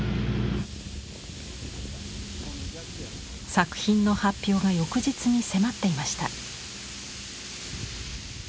作品の発表が翌日に迫っていました。